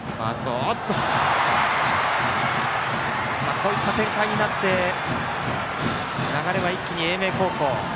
こういった展開になって流れは一気に英明高校。